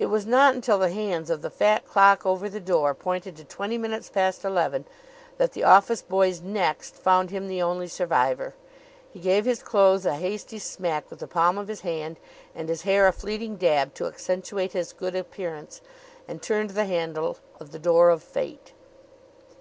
It was not until the hands of the fat clock over the door pointed to twenty minutes past eleven that the office boy's "Next!" found him the only survivor. He gave his clothes a hasty smack with the palm of his hand and his hair a fleeting dab to accentuate his good appearance, and turned the handle of the door of fate.